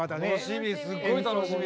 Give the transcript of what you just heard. すごい楽しみ。